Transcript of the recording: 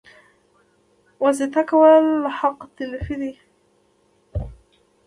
واسطه کول حق تلفي ده